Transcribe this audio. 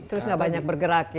terus gak banyak bergerak ya